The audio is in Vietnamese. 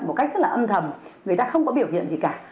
một cách rất là âm thầm người ta không có biểu hiện gì cả